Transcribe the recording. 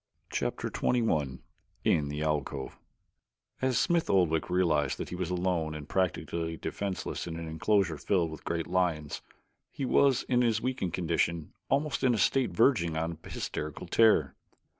Chapter XXI In the Alcove As Smith Oldwick realized that he was alone and practically defenseless in an enclosure filled with great lions he was, in his weakened condition, almost in a state verging upon hysterical terror.